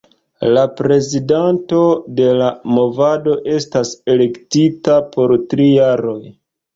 La prezidanto de la movado estas elektita por tri jaroj.